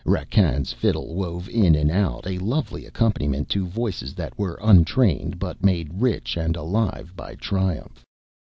Rakkan's fiddle wove in and out, a lovely accompaniment to voices that were untrained but made rich and alive by triumph.